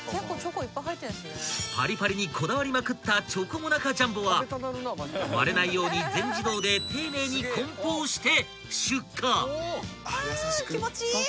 ［パリパリにこだわりまくったチョコモナカジャンボは割れないように全自動で丁寧に梱包して出荷］